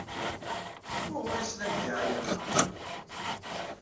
Wuɣur ay slan ddiɛaya-a?